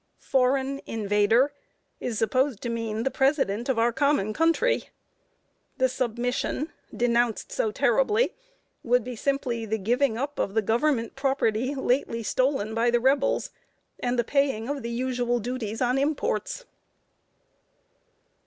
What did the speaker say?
"Foreign invader," is supposed to mean the President of our common country! The "submission" denounced so terribly would be simply the giving up of the Government property lately stolen by the Rebels, and the paying of the usual duties on imports!